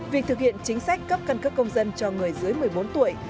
việc thực hiện chính sách cấp căn cước công dân cho người dưới một mươi bốn tuổi